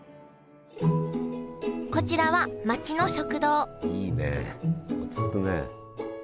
こちらは町の食堂いいね落ち着くね。